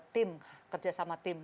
tim kerjasama tim